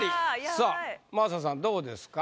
さあ真麻さんどうですか？